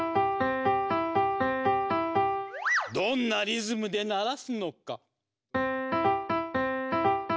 どんなリズムで鳴らすのか。